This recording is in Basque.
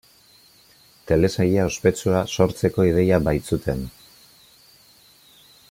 Telesaila ospetsua sortzeko ideia baizuten.